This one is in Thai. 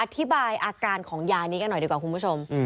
อธิบายอาการของยานี้กันหน่อยดีกว่าคุณผู้ชม